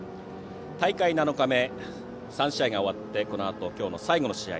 大会７日目、３試合が終わってこのあと今日の最後の試合